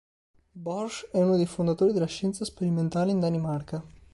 Borch è uno dei fondatori della scienza sperimentale in Danimarca.